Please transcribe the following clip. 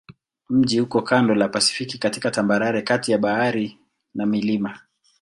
Mji uko kando la Pasifiki katika tambarare kati ya bahari na milima.